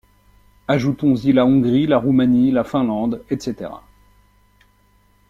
Ajoutons-y la Hongrie, la Roumanie, la Finlande, etc.